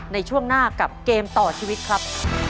ในช่วงหน้ากับเกมต่อชีวิตครับ